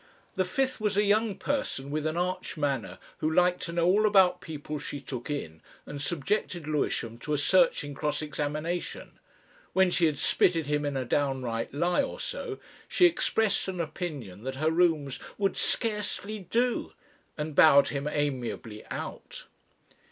The fifth was a young person with an arch manner, who liked to know all about people she took in, and subjected Lewisham to a searching cross examination. When she had spitted him in a downright lie or so, she expressed an opinion that her rooms "would scarcely do," and bowed him amiably out.